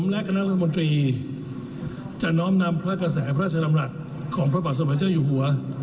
และคณะรัฐมนตรีจะน้อมนำพระกระแสพระราชดำรัฐของพระบาทสมเด็จเจ้าอยู่หัว